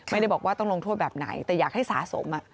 ไม่ได้บอกว่าต้องลงโทษแบบไหนแต่อยากให้สะสม